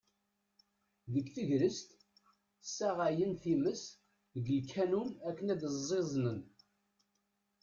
Deg tegrest, ssaɣayen times deg lkanun akken ad ẓẓiẓnen.